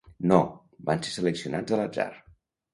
No, van ser seleccionats a l'atzar.